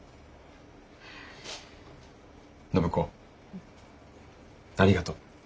暢子ありがとう。